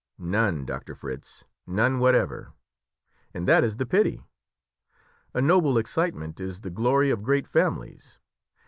"None, Doctor Fritz, none whatever; and that is the pity. A noble excitement is the glory of great families.